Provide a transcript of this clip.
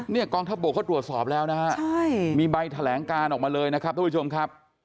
กองทัพบกเขาตรวจสอบแล้วนะฮะมีใบแถลงการออกมาเลยนะครับทุกผู้ชมครับ